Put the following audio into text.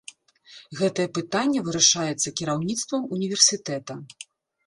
Гэтае пытанне вырашаецца кіраўніцтвам універсітэта.